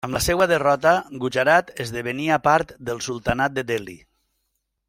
Amb la seva derrota, Gujarat esdevenia part del Sultanat de Delhi.